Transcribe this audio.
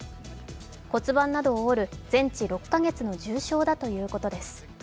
骨盤などを折る全治６か月の重傷だということです